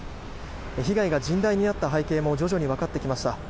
被害が甚大にあった背景も徐々にわかってきました。